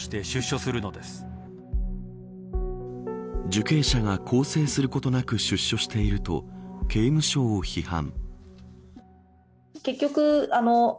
受刑者が更生することなく出所していると刑務所を批判。